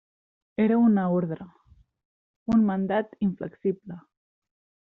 Era una ordre, un mandat inflexible.